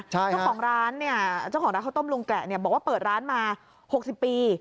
เจ้าของร้านเขาต้มลุงแกะบอกว่าเปิดร้านมา๖๐ปี